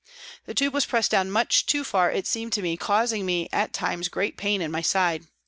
The tube was pressed down much too far, it seemed to me, causing me at times great pain in my side.